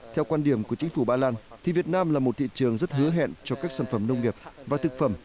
theo quan điểm của chính phủ ba lan thì việt nam là một thị trường rất hứa hẹn cho các sản phẩm nông nghiệp và thực phẩm